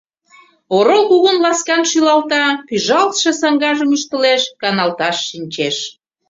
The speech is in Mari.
Орол кугун-ласкан шӱлалта, пӱжалтше саҥгажым ӱштылеш, каналташ шинчеш.